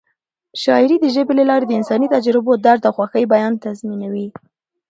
شاعري د ژبې له لارې د انساني تجربو، درد او خوښۍ بیان تضمینوي.